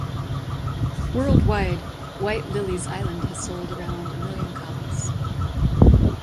Worldwide, "White Lilies Island" has sold around a million copies.